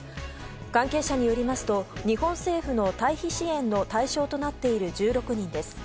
関係者によりますと日本政府の退避支援の対象となっている１６人です。